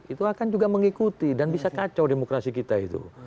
itu akan juga mengikuti dan bisa kacau demokrasi kita itu